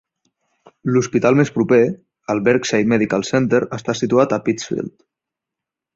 L"hospital més proper, el Berkshire Medical Center, està situat a Pittsfield.